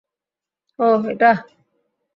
ওহ, এটা?